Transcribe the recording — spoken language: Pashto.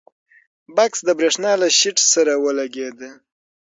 بکس د برېښنا له شیټ سره ولګېد.